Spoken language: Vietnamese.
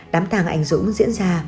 đám tàng anh dũng diễn ra